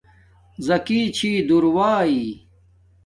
زَکی چھی دور وائئ